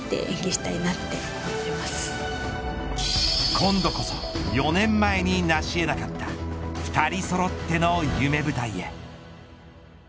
今度こそ４年前に成しえなかった２人そろっての夢舞台へ。